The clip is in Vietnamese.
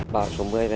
bão số một mươi